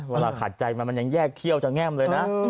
เวลาขาดใจมามันยังแยกเขี้ยวจะแง่มเลยนะ